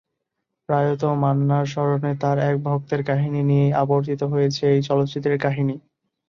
প্রয়াত মান্নার স্মরণে তার এক ভক্তের কাহিনী নিয়েই আবর্তিত হয়েছে এই চলচ্চিত্রের কাহিনী।